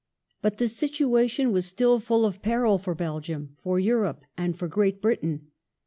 But the situation was still full of peril for Belgium, for Europe, and for Great Britain.